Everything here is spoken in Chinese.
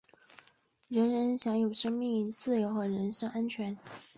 人人有权享有生命、自由和人身安全。